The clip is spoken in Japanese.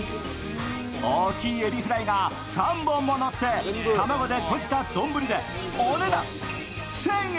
大きいエビフライが３本ものって、卵で閉じた丼でお値段１０００円。